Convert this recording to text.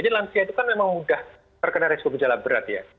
jadi lansia itu kan memang sudah terkena risiko gejala berat ya